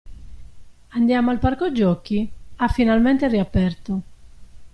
Andiamo al parco giochi? Ha finalmente riaperto!